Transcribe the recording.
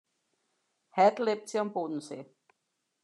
Heute lebt sie am Bodensee.